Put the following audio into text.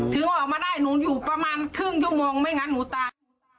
ถึงออกมาได้หนูอยู่ประมาณครึ่งชั่วโมงไม่งั้นหนูตาย